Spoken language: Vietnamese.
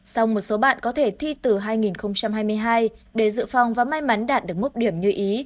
xong một số bạn có thể thi từ hai nghìn hai mươi hai để dự phòng và may mắn đạt được mức điểm như ý